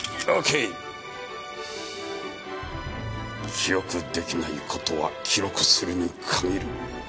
記憶できない事は記録するに限る。